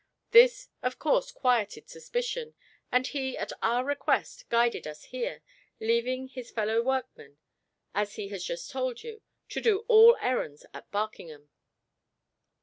This of course quieted suspicion; and he, at our request, guided us here, leaving his fellow workman, as he has just told you, to do all errands at Barkingham."